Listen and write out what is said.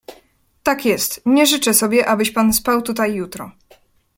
"Tak jest, nie życzę sobie, abyś pan spał tutaj jutro."